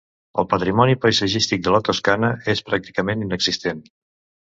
El patrimoni paisatgístic de la Toscana és pràcticament inexistent.